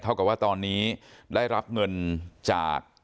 กับว่าตอนนี้ได้รับเงินจาก